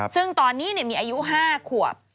ซึ่งตอนนี้มีอายุ๕ขวบ